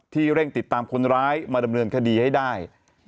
เร่งติดตามคนร้ายมาดำเนินคดีให้ได้